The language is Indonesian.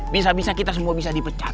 bisa bisa kita semua bisa dipecat